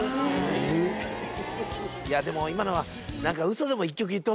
いやでも今のは何か。